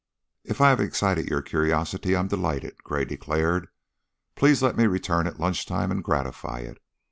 "If I have excited your curiosity, I am delighted," Gray declared. "Please let me return at lunch time and gratify it.